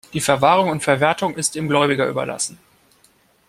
Die Verwahrung und Verwertung ist dem Gläubiger überlassen.